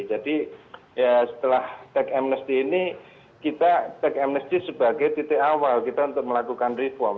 jadi setelah tech amnesti ini kita tech amnesti sebagai titik awal kita untuk melakukan reform